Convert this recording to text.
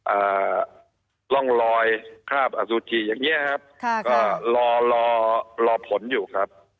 อ่าร่องรอยคราบอสุจิอย่างเงี้ยครับค่ะก็รอรอผลอยู่ครับ